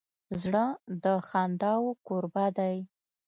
زړه د خنداوو کوربه دی.